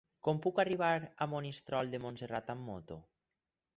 Com puc arribar a Monistrol de Montserrat amb moto?